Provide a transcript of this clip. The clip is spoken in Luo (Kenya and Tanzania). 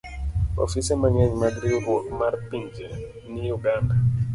Ofise mang'eny mag Riwruok mar Pinje ni Uganda.